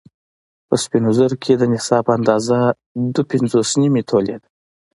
په سپينو زرو کې د نصاب اندازه دوه پنځوس نيمې تولې ده